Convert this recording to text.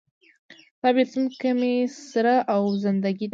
ستا بیلتون کې مې په سره اور زندګي ده